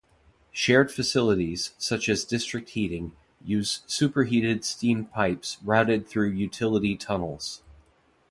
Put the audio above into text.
Shared facilities, such as district heating, use superheated steam pipes routed through utility tunnels.